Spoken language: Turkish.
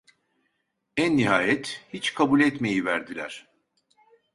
En nihayet hiç kabul etmeyiverdiler.